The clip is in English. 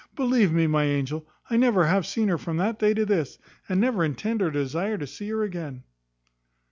Believe me, my angel, I never have seen her from that day to this; and never intend or desire to see her again."